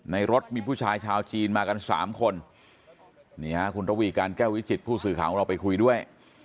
ในรถมีผู้ชายชาวจีนมากันสามคนนี่ฮะคุณระวีการแก้ววิจิตผู้สื่อข่าวของเราไปคุยด้วย